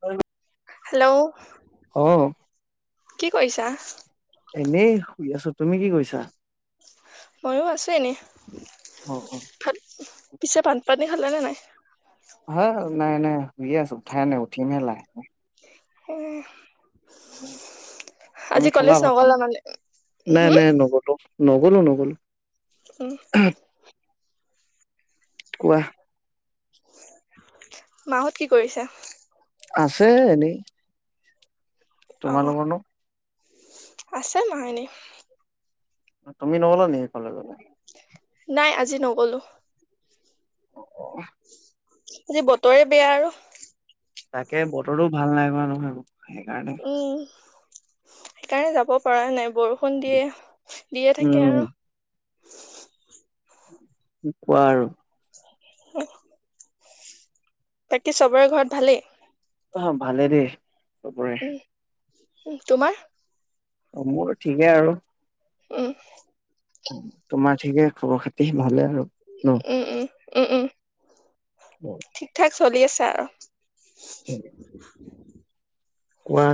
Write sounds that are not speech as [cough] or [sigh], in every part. [unintelligible] Hello অ', কি কৰিছা? এনেই শুই আছো। তুমি কি কইছা? ময়ো আছো এনে। অ', অ'। পিছে [unintelligible] খালানে নাই? হা নাই, নাই। শুইয়ে আছে, ওঠাই নাই। ওঠিমহে লাহেকে। [unintelligible] তুমি আজি খালা কলেজ নগ'লা ভাত-পানী? মানে? নাই, হুম? নাই নগ'লো। নগ'লো, নগ'লো। [unintelligible] কোৱা। মাহত কি কৰিছে? আছে এনেই। অ' তোমালোকেনো? আছে মাৰনি তুমি নগলা নেকি কলেজলে? নাই আজি নগলো। অ'। আজি বতৰে বেয়া আৰু। তাকে বতৰো ভাল নাই নহয়। সেইকাৰণে। উম। সেইকাৰণে যাব পৰা নাই। বৰষুণ দিয়ে দিয়ে থাকে উম আৰু কি কোৱা আৰু। উ বাকী চবৰে ঘৰত ভালেই? অ' ভালে দে। চবৰে। উম, তোমাৰ অ' মোৰ ঠিকেই আৰু। উম। তোমাৰ ঠিকে খবৰ খাতি ভালে? আৰু ন? উম উম। উম উম। উ ঠিক ঠাক চলি আছে আৰু। হেল্ল' কোৱা।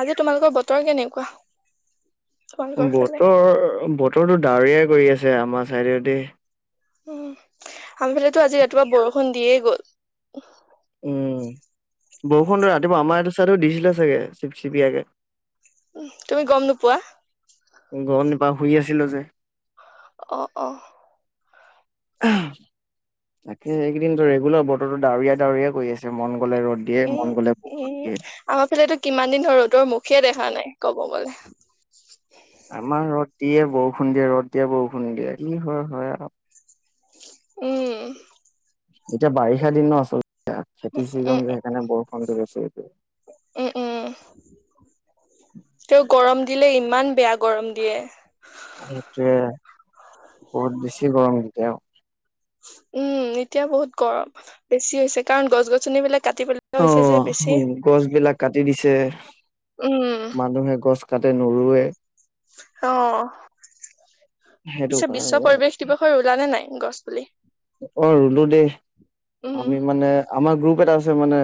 আজি তোমালোকৰ বতৰ কেনেকুৱা? তোমালোকৰ ফালে? বহুতৰ বহুত বতৰটো ডাৱৰীয়াই কৰি আছে আমাৰ চাইদেউ দেই। উম। আমফালেতো আজি ৰাতিপুৱা বৰষু দিয়ে। [inaudible] উম বৰষুণ ৰাতিপুৱা আমাৰ এইটো চাইটো দিছিলে চাগে চিপ চিপিয়াকে। উ তুমি গম নোপোৱা? গম নাপাওঁ, শুই আছিলো যে। অ' অ'। তাকে এইকেইদিন ৰেগুলাৰ বতৰো ডাৱৰীয়া ডাউৰীয়া কৰি আছে। মন গ'লে ৰ'দ দিয়ে মন উম গ'লে বৰষুণ উম, দিয়ে। আমাৰ ফালেতটো কিমান দিন ধৰি ৰদৰ মুখে দেখে হা নাই ক'ব বলে আমাৰ ৰ'দ দিয়ে, বৰষুণ দিয়ে, ৰ'দ দিয়ে, বৰষুণ দিয়ে, কি হয় হয় আৰু। উম। এতিয়া বাৰিষা দিনো আচলতে। এ খেতিৰ উম চিজন যে সেইকাৰণে বৰষুণ দি গৈছে। উম উম তেও গৰম দিলে ইমান বেয়া গৰম দিয়ে সেইটোৱে বহুত বেছি গৰম এতিয়াও আৰু উম এতিয়া বহুত গৰম বেছি হৈছে কাৰণ গছ গছনি বিলাক অ গছ বিলাক কাটি দিছে উম মানুহে গছ কাটে নোৰুৱে অ সেইটো পিছে বিশ্ব কাৰণে পৰিৱেশ দিৱসৰ ৰুলা নে নাই? গছপুলি অ ৰুলো দে। উম আমি মানে আমাৰ গ্ৰুপ এটা আছে মানে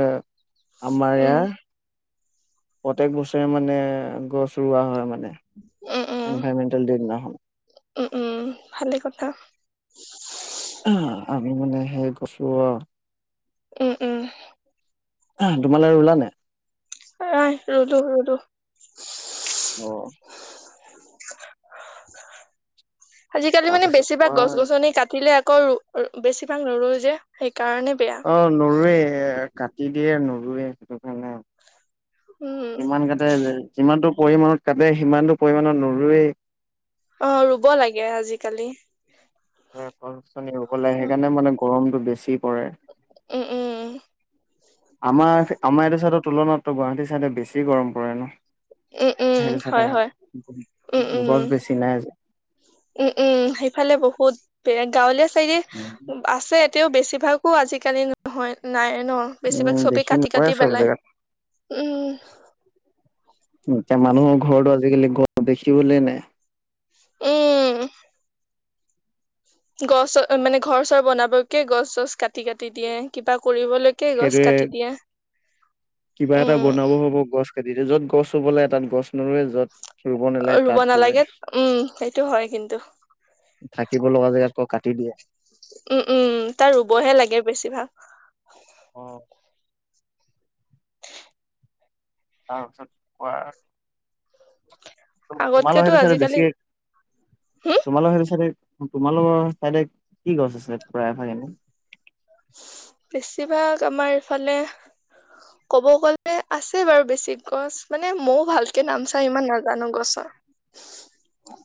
আমাৰ উম ইয়াৰ প্ৰত্যেক বছৰে মানে গছ ৰৱোৱা হয় মানে উম উম এনভাইৰনমেণ্ট দে দিনা খন। উম উম ভালে কথা। আমি মানে সেই গছো অ উম উম তোমালোকে ৰুলা নাই? নাই ৰুলোঁ ৰুলোঁ অ আজিকালি মানে তাৰপিছত বেছিভাগ কোৱা গছ গছনি কাটিলে কৰোঁ বেছিভাগ নুৰো যে সেইকাৰণে বেয়া অ নোৰোৱে কাটি দিয়ে ন ৰুৱে সেইটো কাৰণে। উম যিমান কেইটা যে যিমানটো পৰিমাণত কাটে সিমানটো পৰিমণত নুৰুৱেই অ ৰুব লাগে আজিকালি। গছ-গছনি ৰুব লাগে উম সেইকাৰণে মানে গৰমতটো বেছি পৰে। উম আমাৰ আমাৰ এইটো চাইদত তুলনাতো গুৱাহাটী ছাইডত বেছি গৰম পৰে ন। উম, উম সেইটো চাইডে হয় হয় উম উম গছ বেছি নাই যে। উম উম সেইফালে বহুত পে গাঁওলী হেৰি আছে তেওঁ বেছিভাগো আজিকালি নহয় নাই। ন বেছিভাগ উম, বেছি কাটি নপৰে কাটি চব পেলাই জেগাত। উম, এতিয়া মানুহৰ ঘৰটো আজিকালি গ দেখিবলৈ নাই, উম! গছ মানে ঘৰ চৰ বনাবকে গছ গছ কাটি কাটি দিয়ে কিবা। পৰিৰিবলৈকে গছ সেইটোৱে কাটি দিয়ে, উম! টো য'ত গছ ৰুব লাগে তাত গছ নৰুৱে য'ত ৰুব নালাগে ৰুব তাত ৰুৱে নালাগে উম সেইটো হয় কিন্তু থাকিব লগা জেগাত আকৌ কাটি দিয়ে। উম উম তাৰ ৰুবহে লাগে বেছিভাগ। অ তাৰপিছত কোৱা, তোমালোক আগতকেতো সেইটো ছাইদে আজিকালি বেছিকে হম তোমালোক সেইটো ছাই তোমালোকৰ চাইডে কি গছ আছে প্ৰায় ভাগ এনে, বেছিভাগ আমাৰ ইফালে কব গলে আছে বাৰু বেছি গছ মানে ময়ও ভালকে নামচাম ইমান নাজানো গছৰ অ'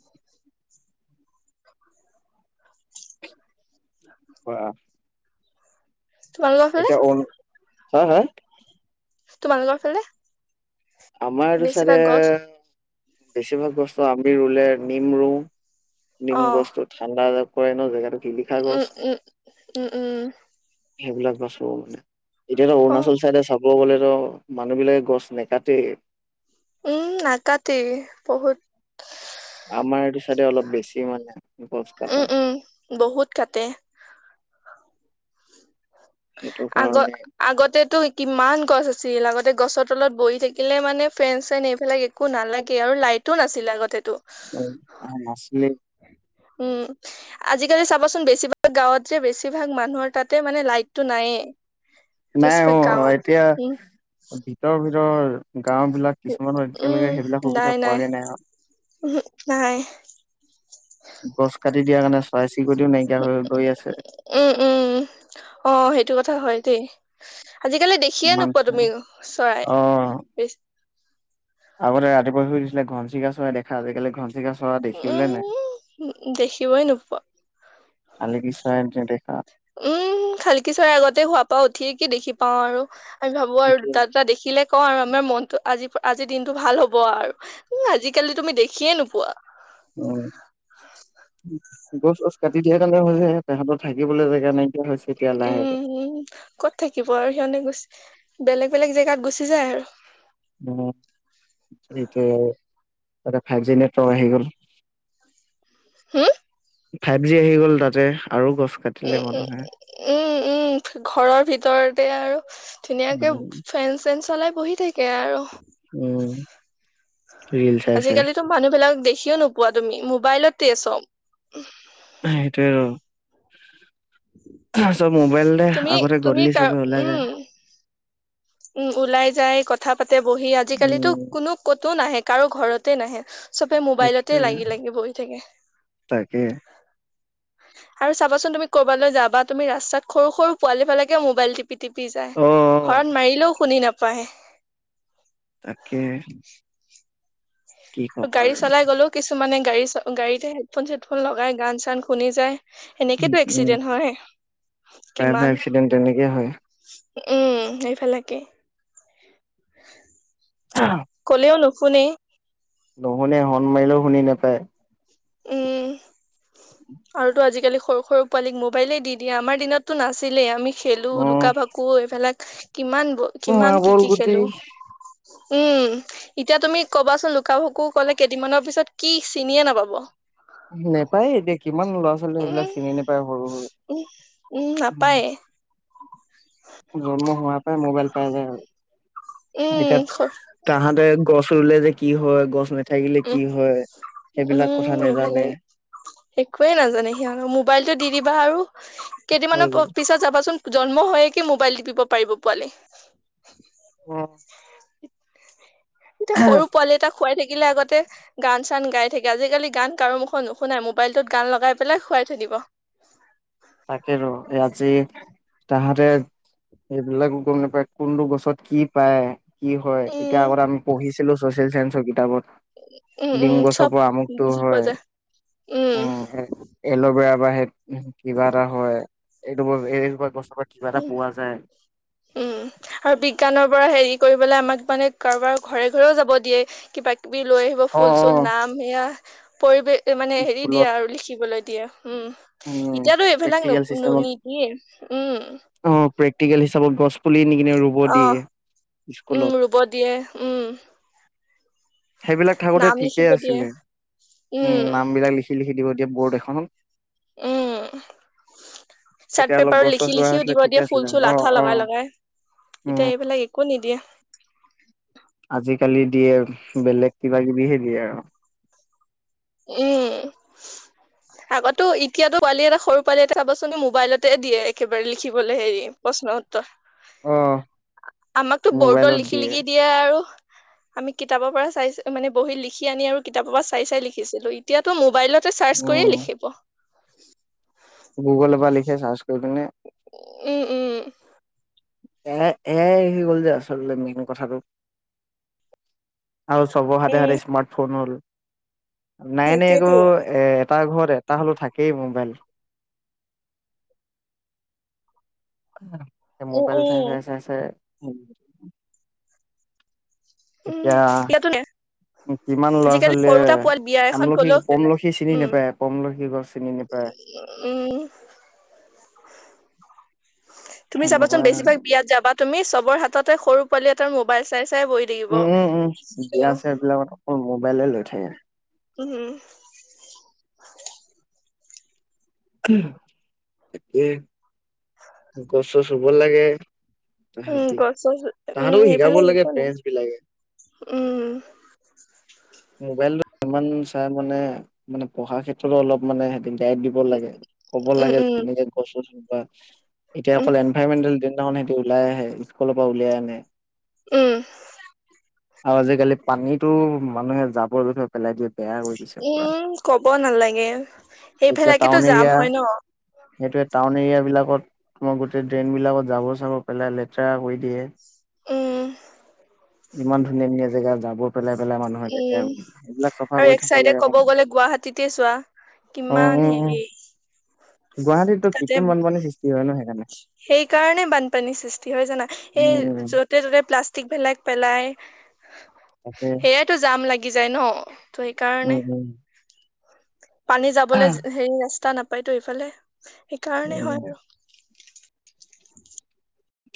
আহ! তোমালোকৰ ফালে হা' হা তোমালোকৰ ফালে আমাৰ আৰু চাৰে বেছিভাগ গছ বেছিভাগ বস্তু আমি ৰুলে নিম ৰুওঁ নিম অ' গসু থঠণ্ড আ কৰে ন জেগাতটো উম উম! উম! উম! উম! সেইবিলাক গছ ৰু মানে, এতিয়া অ' অৰুণাচল চাইডে চাব গলে, মানুহ বিলাকে গছ নে, কাতে, উম নাকাটি বহুত আমাৰ এইটো চাইডে অলপ বেছি মানে, গছ কাটা উম উম বহুত কাটে সেইটো আগ কাৰণে আগতেটো কিমান গছ আছি। চিৰিয়েল আগতে গছৰ তলত বহি থাকিলে মানে ফৰেইন চেৰেইন এইবিলাক একো নালাগে আৰু লাইটো নাছিলে আগতেতো, অ অহ নাছিলে উম আজিকালি চাবাচোন বেছিভাগ গাঁৱত যে বেছিভাগ মানুহৰ তাতে মানে লাইট, টো নাই নাই অ এতিয়া ভিতৰ ভিত ৰ গাও বিলাক কিছুমানৰ এতিয়ালৈকে উম সেইবিলাক সুবিধা নাই পোৱাগে নাই আৰু উহু, নাই গছ কাটি দিয়া কাৰণে, চৰাই চিৰিকটিও নাইকিয়া হৈ গৈ আছে উম - উম অ, সেইটো কথা হয়। তে আজিকালি দেখিয়ে ইমান নোপোৱা চৰাই তুমি চৰাই। অ আগতে ৰাতিপুৱা শুই উথিলে ঘনচিৰিকা চৰাই দেখা আজিকালি ঘন চিৰিকা চৰা দেখিবলৈ নাই। উম দেখিবই নোপোৱা শালিকি চৰাই নেদেখা উম, খালকি চৰাই আগতে খোৱাৰ পৰা উঠিয়ে কি দেখি পাও আৰু। আমি ভাবো আৰু সেইটোৱে দুটা - দুটা দেখিলে কওঁ আৰু আমাৰ মনতো আজি আজি দিনতটো ভাল হ'ব আৰু আজিকালি তুমি দেখিয়ে নোপোৱা। অ, গছ গছ কাটি দিয়া কাৰণে হৈ যে তাহাতৰ উম, কত থাকিব আৰু সিহনে গুছে বেলেগ- বেলেগ জেগাত গুচি যায় আৰু। উম, সেইটো আৰু। ফাইভ জি নেটৱৰ্ক আহি গ'ল। হম, ফাইভ জি আহি গ'ল তাতে। আৰু গছ কাটিলে উম - উম - উম মানুহে। - উম - উম ঘৰৰ ভিতৰতে আৰু ধুনীয়াকে উম ফেন চেন চলাই বহি থাকে আৰু। উম, আজিকালিতো মানুহ বিলাক দেখিও নোপোৱা তুমি ম মবাইলতে চব। সেইটোয়ে আৰু। চব মোবাইলৰে তুমি আগৰে তুমি গধলি কাৰ চবে ওলা যায়। উম উম, ওলাই যায় কথা পা তে বহি আজিকালিতো উম। কোনো কতো নাহে। কাৰো ঘৰতে নাহে চবে মোবাইলতে সেইটোৱে লাগি - লাগি বহি থাকে। তাকে আৰু চাবাচোন তুমি কৰ'বালৈ যাবা তুমি ৰাস্তাত সৰু সৰু পোৱালি বিলাকে মোবাইল টি পি টিপি যায়। অ অ'। শুনি নাপায়। তাকে কি আৰু ক'ব গাড়ী চলাই গ'লেও কিছুমানে গাড়ী চ গাড়ীতে হেডফোন চেডফোন লগাই গান চান শুনি যায়। সেনেকেতো উম, এক্সিডেন্ট হয় প্ৰায় কিমান এক্সিডেণ্ট তেনেকেই হয়। উম, সেইফালাকে। কলেওনো নুশুনে। নুশুনে হৰ্ন মাৰিলেও শুনি নেপায়। উম আৰুটো আজিকালি সৰু সৰু পোৱালীক মোবাইলে দি দিয়ে আমাৰ দিনতটো নাছিলেই আমি খেলো অ লুকা ভাকু এইবিলাক কিমান ব কিমান কি মাৰ্বল কি গুটি খেলো উম এতিয়া তুমি কবাচোন লুকা ভকু কলে কেইদিনমানৰ পিছত কি চিনিয়ে নাপাব নোপায় এতিয়া কিমান ল'ৰা ছোৱালী উম সেইবিলাক চিনি নোপায় সৰু উম উম সৰু নাপায় জন্ম হোৱা প মোবাইল পাই যায় উম এতিয়া তাহাঁতে গছ ৰুলে যে কি হয় গছ নে উম কথা উম নেজানে এইফালে একয়ে নাজানে সিহঁত মোবাইলতটো দি দিবা আৰু হৈ কেইদিনমানৰ গ'ল পিছত যাবাচোন জন্ম হয়য়ে কিে মোবাইল দপিব পাৰিব পোৱালি অ এতিয়া সৰু পোৱালি এটা খোৱাই থাকে থিলে আগতে গান চান গাই থাকে আজিকালি গান কাৰো মুখত নুশুনাই মোবাইলটোত গান লগাই পেলাই খুৱাই থাকিব তাকে ৰ এই আজি তাহাঁতে এইবিলাকো গম নাপায় কোনটো গছত কি পায় কি হয় এতিয়া উম আগত আমি পঢ়িছিলো েল চেঞ্চৰ কিতাপত উম ডিম উম গছৰ চব পৰা আমুকটো বুজি পোৱা হয় যায় উম বাহে কিবা এটা হয় এইটো এই বৰ উ উম আৰু বিজ্ঞানৰ পৰা হেৰি কৰিব আমাক মানে কাৰোবাৰ ঘৰে ঘৰেও যাব দিয়ে কিবা িবি লৈ আহিব অ ফুল অ চুল নাম সেয়া পৰিৱেশ মানে হেৰি ফুলত দিয়া আৰু লিখিবলৈ দিয়য়া উম উম এতিয়াতো এইবিলাক প্ৰেক্টিকেল ন চিষ্টেমত নেকি অ অ প্ৰেকটিকেল হিচাপত গছ পুলি নিিকিননে ৰুব দিয়ে উম স্কুলত ৰুব দিয়ে উম সেইবিলাক থাকোঁতে নাম ঠিকেই লিখিব দিয়ে আছিলে উম নাম বিলাক লিখি লিখি দিব এতিয়া বৰ্ড এখন উম তেতিয়া চাৰ্ট অলপ পেপাৰত গছ চছ লিখি ৰোৱা লিখিও হৈছিলে দিব ঠিকে দিয়ে আছিলে ফুল চুল অ আঠা অ লগাই লগাই, উম এতিয়া এইবিলাক একো নিদিয়ে। আজিকালি দিয়ে বেলেগ কিবা কিবিহে দিয়ে আৰু। উম আগটো এতিয়াতো পোৱালি এটা সৰু পোৱালি এটা চাবাচোন মোবাইলতে দিয়ে একেবাৰে লিখিবলৈ হেৰি প্ৰশ্ন উত্তৰ। অ আমাকতো বৰ্ডত লিখি লিখি দিয়ে আৰু। আমি কিতাপৰ পৰা চাই মানে বহি লিখি আনি আৰু কিতাপৰ পৰা চাই চাই লিখি। দেখিছিলো, এতিয়াতো মোবাইলত। চাৰ্চ কৰিয়েই উম লিখিব। [inaudible] গুগলৰ পৰা [inaudible] উম উম। এ আই আহি গ'ল যে আচলতে মেইন কথাটো। আৰু সকলোৰে হাতে উম হাতে স্মাৰ্ট ফোন হ'ল নাই নাই সেইটোয়েতো কৰি অ' এটা ঘৰত এটা হ'লে থাকেই মোবাইল। [inaudible] এ উম মোবাইল উম চাইছে চাইছে উ উম এতিয়া ইয়াতো নে কিমান ল'ৰা আজিকালি সৰুটা ছোৱালীয়ে পোৱালি বিয়া এখন আমলখি, গ'লেও খেলে। পমলখি চিনি উম, নেপায়, পমলখি কি গছ। চিনি নোপায় উম। তুমি চাবা চোন সেনেকুৱা বেছিভাগ বিয়াত যাবা তুমি চবৰ হাততে সৰু পোৱালি এটাৰ মোবাইল চাই চাই বহি থাকিব। উম উম, বিয়া ছিয়া বিলাকত অকল মোবাইলে লৈ থাকে। উম উম। উম। তাকে। গছোঁ ছোঁ ব লাগে। উম, তাহাঁতি গছ গছ উম, তাহাঁতকো সেই শিকাব বিলাক লাগে একো নাই, পেৰেন্টছ বিলাকে উম। মোবাইলটো ইমান চাই মানে, মানে পঢ়াৰ ক্ষেত্ৰতো অলপ মানে গাইড দিব লাগে। ক'ব উম, লাগে উম, যেনেকে গছ চচ বা এতিয়া উম, অকল এনভাইৰেমেন্তেল সিহঁতি ওলাই আহে, স্কুলৰ পৰা উলিয়াই আনে। উম। আৰু আজিকালি পানীতো মানুহে জাবৰ যুথৰ পেলাই দিয়ে। বেয়া কৰি দিছে পুৰা। উম ক'ব নালাগে, এতিয়া সেইবিলাকেতো যাম হয় ন। আন এৰিয়া বিলাকত তোমাৰ গোটেই ড্ৰেইন বিলাকত জাবৰ চাবৰ পেলাই লেতেৰা কৰি দিয়ে। উম। ইমান ধুনীয়া ধুনীয়া জেগা যাবৰ পেলাই পেলাই মানুহে লেতেৰা উম কৰি দিয়ে এইবিলাক চাফা আৰু কৰি এক থব চাইডে লাগে ক'ব অকমান। গ'লে গুৱাহাটীতে চোৱা কিমান হেৰি গুৱাহাটীতটো কিত্ৰম বানপানীৰ সৃষ্টি। হয় ন সেইকাৰণে সেই কাৰণে বানপানীৰ সৃষ্টি হয় জানা উম। এই য'তে ত'তে প্লাষ্টিক বিলাক পেলাই। তাকে সেইয়তটো যাম লাগে গি যায় ন ত সেইকাৰণে উম উম। [inaudible] পানী যাবলৈ হেৰি ৰাস্তা নাপ পাইটো ইফালে সেইকাৰণে উম হয় আৰু।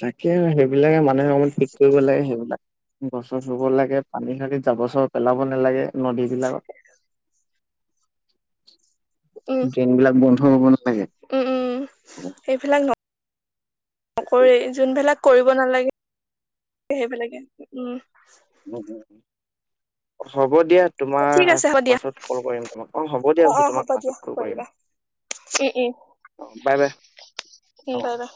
তাকে আৰু সেইবিলাকে মানুহে অকমান ঠিক কৰিব লাগে সেইবিলাক গছ চচ ৰুব লাগে পানী খালি জাবৰ চাবৰ পেলাব নালাগে নদী বিলাকত। উম ড্ৰেইন বিলাক বন্ধ হ'ব ন উম উম, এইবিলাক ন তাকে নকৰেই যোনবেলাক কৰিব নালাগে সেইবিলাকে উম। উম উম, অ' চব হ'ব দিয়া তোমাৰ ঠিক আছে হ'ব দিয়া পাছত কল কৰিম তোমাক অ' হ'ব দিয়া বছো অ তোমাক হ'ব দিয়া পাছত কল কৰিম, কৰিবা উম উম অ' বাই বাই উম অ'। Bye bye